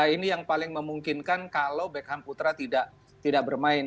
ini yang paling memungkinkan kalau beckham putra tidak bermain